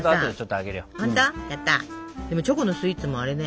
でもチョコのスイーツもあれね